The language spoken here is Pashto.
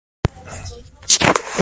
ساده اوبه د روغتیا راز دي